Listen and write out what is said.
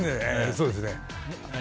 そうですね。